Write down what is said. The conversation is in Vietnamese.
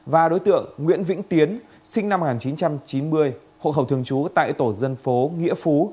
và đối tượng nguyễn vĩnh tiến sinh năm một nghìn chín trăm chín mươi hộ khẩu thường trú tại tổ dân phố nghĩa phú